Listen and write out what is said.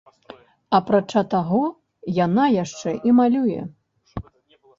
Апрача таго, яна яшчэ і малюе.